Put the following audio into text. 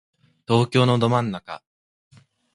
東京のど真ん中